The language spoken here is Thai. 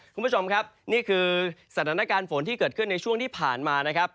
คุณผู้ชมครับนี่คือสถานการณ์ฝนที่เกิดขึ้นในช่วงที่ผ่านมานะครับ